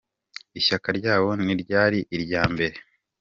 Ishyaka ryabo niryo ryari irya mbere.